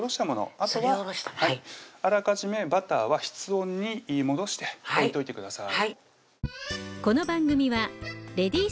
あとはあらかじめバターは室温に戻して置いといてください